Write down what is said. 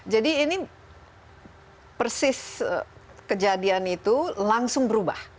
jadi ini persis kejadian itu langsung berubah